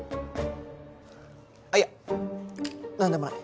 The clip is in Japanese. あっいや何でもない。